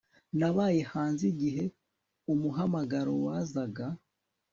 Nabaye hanze igihe umuhamagaro wazaga